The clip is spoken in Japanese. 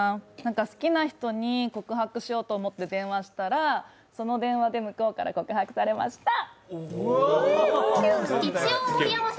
好きな人に告白しようと思って電話したら、その電話で向こうから告白されました。